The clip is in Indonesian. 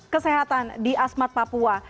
kesehatan di asmat papua